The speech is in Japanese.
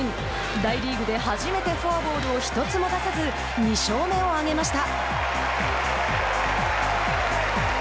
大リーグで初めてフォアボールを１つも出さず２勝目をあげました。